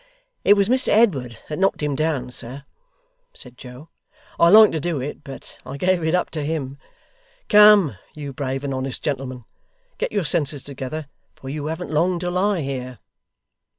'It was Mr Edward that knocked him down, sir,' said Joe: 'I longed to do it, but I gave it up to him. Come, you brave and honest gentleman! Get your senses together, for you haven't long to lie here.